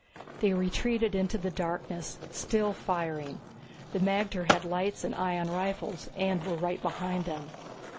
They retreated into the darkness, still firing. The magter had lights and ion rifles, and were right behind them.